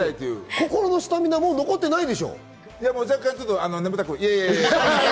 心のスタミナ、もう残ってないでしょ？